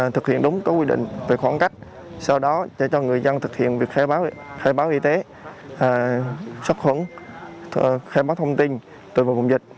thực hiện đúng các quy định về khoảng cách sau đó cho người dân thực hiện việc khai báo y tế sắp khuẩn khai báo thông tin từ vùng dịch